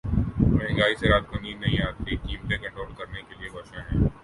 مہنگائی سے رات کو نیند نہیں آتی قیمتیں کنٹرول کرنے کے لیے کوشاں ہیں